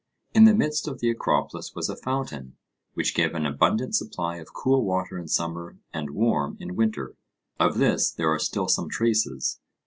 In the midst of the Acropolis was a fountain, which gave an abundant supply of cool water in summer and warm in winter; of this there are still some traces.